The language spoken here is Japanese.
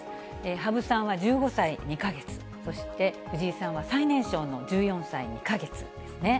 羽生さんは１５歳２か月、そして藤井さんは最年少の１４歳２か月ですね。